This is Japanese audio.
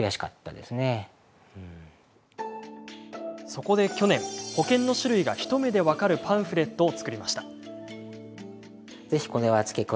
そこで去年、保険の種類が一目で分かるパンフレットを作りました。